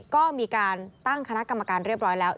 ก็มีการตั้งคณะกรรมการเรียบร้อยแล้ว